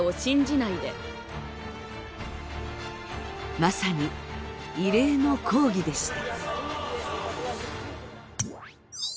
まさに異例の抗議でした。